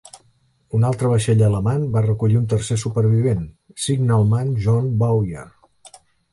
Un altre vaixell alemany va recollir un tercer supervivent, Signalman John Bowyer.